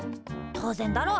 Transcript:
当然だろ。